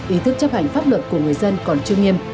ý thức chấp hành pháp luật của người dân còn chưa nghiêm